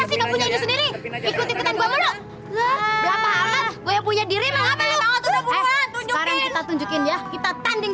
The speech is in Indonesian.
ikut ikutan gua berapa gue punya diri sekarang kita tunjukin ya kita tanding